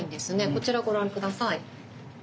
こちらご覧下さい。